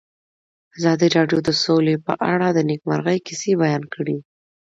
ازادي راډیو د سوله په اړه د نېکمرغۍ کیسې بیان کړې.